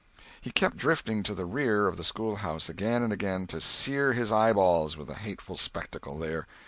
He kept drifting to the rear of the schoolhouse, again and again, to sear his eyeballs with the hateful spectacle there.